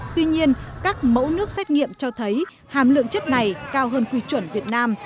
tuy nhiên các mẫu nước xét nghiệm cho thấy hàm lượng chất này cao hơn quy chuẩn việt nam